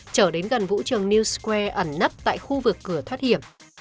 trở đến gần vũ trường new square ẩn nắp tại khu vực cửa thoát hiểm